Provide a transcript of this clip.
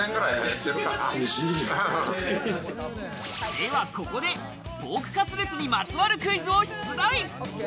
では、ここでポークカツレツにまつわるクイズを出題。